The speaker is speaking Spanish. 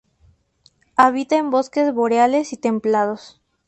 Habita en bosques boreales y templados.